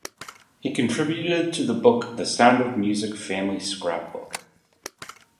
He contributed to the book "The Sound of Music Family Scrapbook".